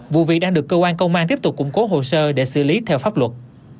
vụ việc đang được cơ quan công an tiếp tục củng cố hồ sơ để xử lý theo pháp luật